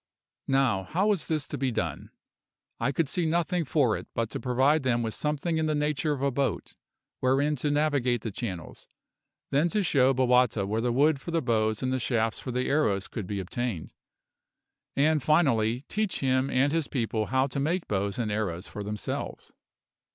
Now, how was this to be done? I could see nothing for it but to provide them with something in the nature of a boat wherein to navigate the channels, then to show Bowata where the wood for the bows and the shafts for the arrows could be obtained, and finally teach him and his people how to make bows and arrows for themselves.